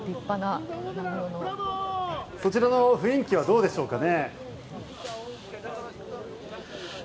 そちらの雰囲気はどうでしょうかね。